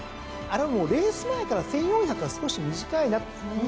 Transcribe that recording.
あれはもうレース前から１，４００は少し短いな。